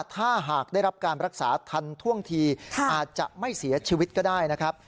ถ้าหากได้รับการรักษาทันท่วงทีอาจจะไม่เสียชีวิตก็ได้นะครับ